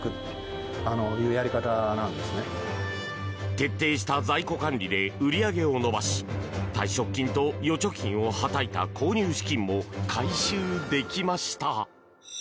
徹底した在庫管理で売り上げを伸ばし退職金と預貯金をはたいた購入資金も回収できました。